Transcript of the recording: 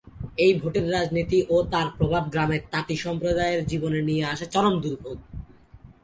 এই ভোটের রাজনীতি ও তার প্রভাব গ্রামের তাঁতি সম্প্রদায়ের জীবনে নিয়ে আসে চরম দুর্ভোগ।